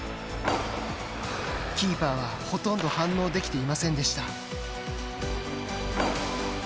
キーパーはほとんど反応できませんでした。